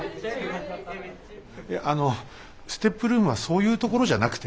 いやあのＳＴＥＰルームはそういうところじゃなくて。